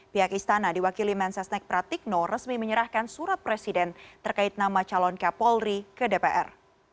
pihak istana diwakili mensesnek pratikno resmi menyerahkan surat presiden terkait nama calon kapolri ke dpr